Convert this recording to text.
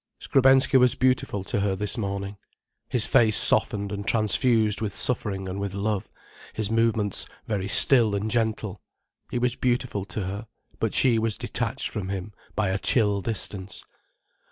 Skrebensky was beautiful to her this morning, his face softened and transfused with suffering and with love, his movements very still and gentle. He was beautiful to her, but she was detached from him by a chill distance.